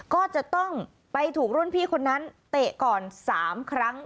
ก็จะต้องไปถูกรุ่นพี่คนนั้นเตะก่อน๓ครั้ง